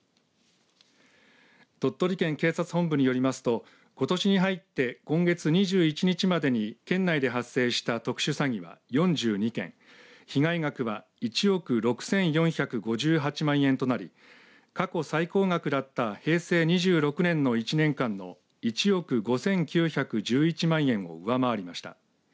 鳥取県警察本部によりますとことしに入って今月２１日までに県内で発生した特殊詐欺は４２件被害額は１億６４５８万円となり過去最高額だった平成２６年の１年間の１億５９１１万円を上回りました。